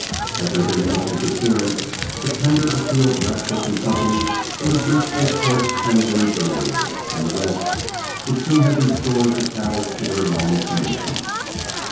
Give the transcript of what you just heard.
Had there been no interference, the tender of Field, Radcliff & Co. would have reached this post ten days earlier, and rest would soon have restored the cattle to their normal condition.